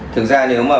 thực ra nếu mà